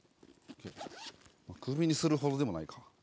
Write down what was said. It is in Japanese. クビにするほどでもないか。